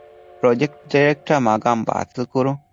ޕްރޮޖެކްޓް ޑިރެކްޓަރ މަޤާމް ބާތިލްކުރުން